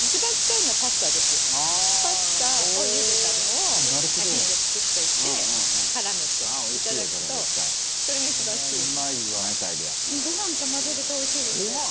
パスタを茹でたのをアヒージョ作っといて絡めていただくとそれが一番好きです。